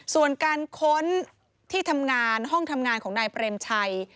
ส่วนการค้นที่ทำงานห้องทำงานของนายเปรมชัย